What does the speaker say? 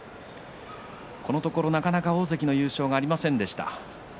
このところなかなか大関の優勝がありませんでした。